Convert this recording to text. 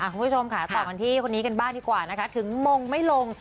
คุณผู้ชมค่ะต่อกันที่คนนี้กันบ้างดีกว่านะคะถึงมงไม่ลง